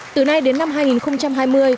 từ nay đến năm hai nghìn hai mươi